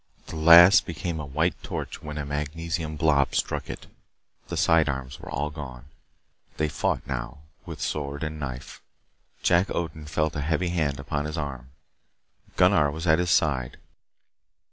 The last became a white torch when a magnesium blob struck it. The side arms were all gone. They fought now with sword and knife. Jack Odin felt a heavy hand upon his arm. Gunnar was at his side.